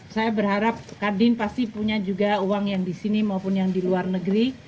saya berharap kadin pasti punya juga uang yang di sini maupun yang di luar negeri